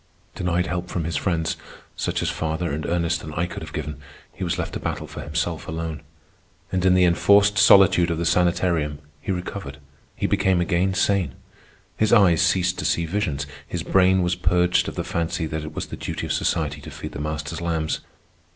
Denied help from his friends, such as father and Ernest and I could have given, he was left to battle for himself alone. And in the enforced solitude of the sanitarium he recovered. He became again sane. His eyes ceased to see visions; his brain was purged of the fancy that it was the duty of society to feed the Master's lambs.